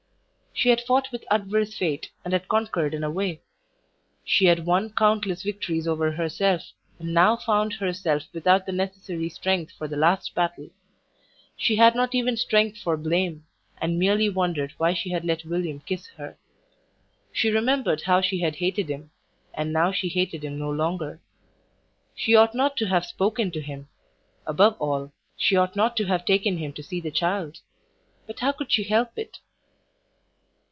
She had fought with adverse fate, and had conquered in a way; she had won countless victories over herself, and now found herself without the necessary strength for the last battle; she had not even strength for blame, and merely wondered why she had let William kiss her. She remembered how she had hated him, and now she hated him no longer. She ought not to have spoken to him; above all, she ought not to have taken him to see the child. But how could she help it?